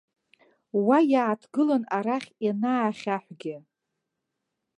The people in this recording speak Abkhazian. Уа иааҭгылан арахь ианаахьаҳәгьы.